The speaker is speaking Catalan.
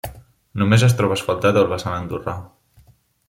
Només es troba asfaltat el vessant andorrà.